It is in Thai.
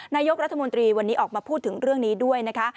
นายกรัฐมนตรีวันนี้ออกมาพูดถึงเรื่องนี้ด้วยนะคะ